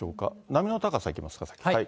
波の高さいきますか？